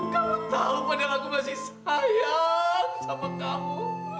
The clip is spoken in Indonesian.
kau tahu padahal aku masih sayang sama kamu